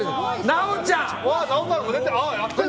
直ちゃん！